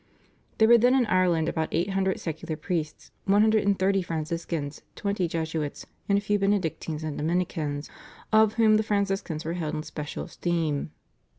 There were then in Ireland about eight hundred secular priests, one hundred and thirty Franciscans, twenty Jesuits, and a few Benedictines and Dominicans, of whom the Franciscans were held in special esteem.